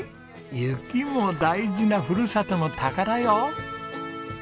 雪も大事なふるさとの宝よ。